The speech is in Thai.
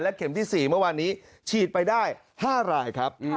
และเข็มที่สี่เมื่อวานี้เฉียดไปได้๕ราย